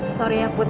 sorry ya put